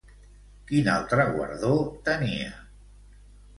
Quin altre guardó tenia?